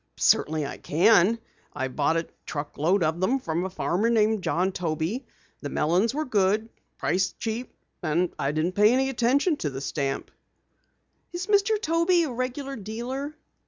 "Certainly I can. I bought a truck load of them from a farmer named John Toby. The melons were good, the price cheap, and I didn't pay any attention to the stamp." "Is Mr. Toby a regular dealer?"